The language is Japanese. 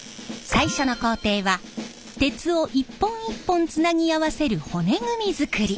最初の工程は鉄を一本一本つなぎ合わせる骨組み作り。